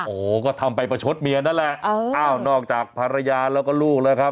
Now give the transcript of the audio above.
โอ้โหก็ทำไปประชดเมียนั่นแหละอ้าวนอกจากภรรยาแล้วก็ลูกแล้วครับ